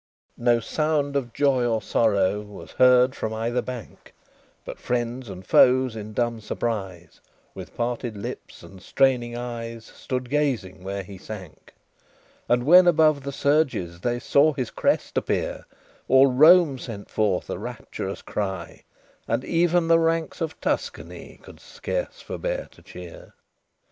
LX No sound of joy or sorrow Was heard from either bank; But friends and foes in dumb surprise, With parted lips and straining eyes, Stood gazing where he sank; And when above the surges, They saw his crest appear, All Rome sent forth a rapturous cry, And even the ranks of Tuscany Could scarce forbear to cheer.